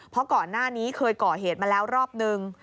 เพราะก่อนหน้านี้เคยก่อเหตุมาแล้วรอบนึง